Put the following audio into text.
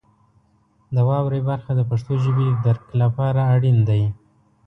د واورئ برخه د پښتو ژبې د درک لپاره اړین دی.